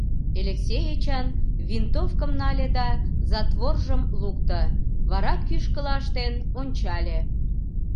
Элексей Эчан винтовкым нале да затворжым лукто, вара кӱшкыла ыштен ончале.